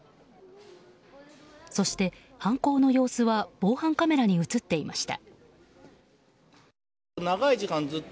そして、犯行の様子は防犯カメラに映っていました。